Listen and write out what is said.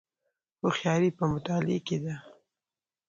هوښیاري په مطالعې کې ده